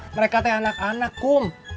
mereka teh anak anak kum